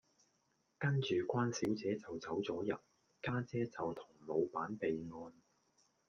跟住關小姐就走左人，家姐就同老闆備案